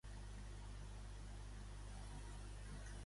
Va informar de la creació de Solidarność?